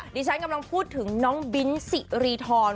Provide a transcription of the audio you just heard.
ดิฉันกำลังพูดถึงน้องบิ้นสิรีทร